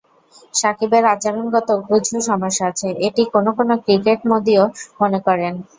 সাকিবের আচরণগত কিছু সমস্যা আছে, এটি কোনো কোনো ক্রিকেটামোদীও মনে করেন।